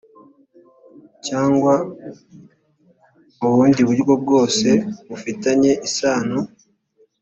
cyangwa mu bundi buryo bwose bufitanye isano